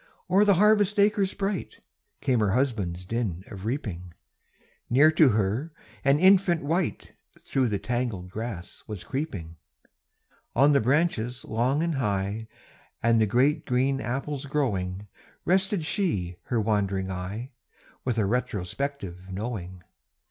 O'er the harvest acres bright, Came her husband's din of reaping; Near to her, an infant wight Through the tangled grass was creeping. On the branches long and high, And the great green apples growing, Rested she her wandering eye, With a retrospective knowing.